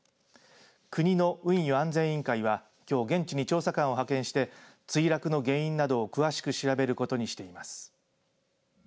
国の運輸安全委員会はきょう、現地に調査官を派遣して墜落の原因などを詳しく調べることにしています。